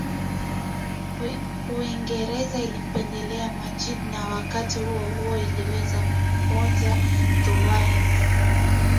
Uingereza ilimpendelea Majid na wakati huohuo iliweza kumpoza Thuwain